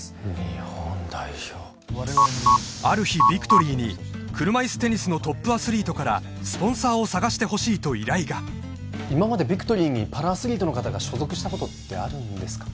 日本代表ある日ビクトリーに車いすテニスのトップアスリートからスポンサーを探してほしいと依頼が今までビクトリーにパラアスリートの方が所属したことってあるんですか？